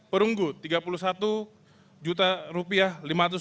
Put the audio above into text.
perunggu tiga puluh satu lima ratus rupiah